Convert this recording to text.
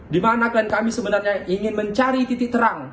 dimana klien kami sebenarnya ingin mencari titik terang